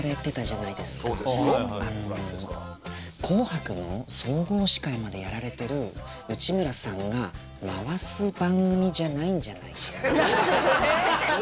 「紅白」の総合司会までやられてる内村さんが回す番組じゃないんじゃないかなと。